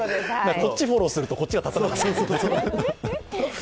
こっちをフォローすると、こっちが立たなくなる。